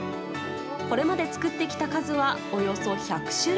これまで作ってきた数はおよそ１００種類。